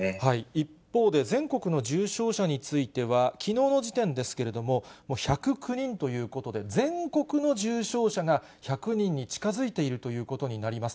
一方で、全国の重症者については、きのうの時点ですけれども、１０９人ということで、全国の重症者が１００人に近づいているということになります。